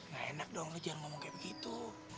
gak enak dong lo jangan ngomong kayak begitu